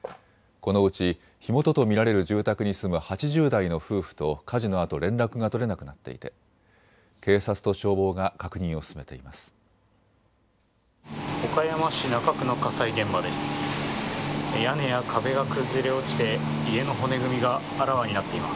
このうち火元と見られる住宅に住む８０代の夫婦と火事のあと連絡が取れなくなっていて、警察と消防が確認を進めています。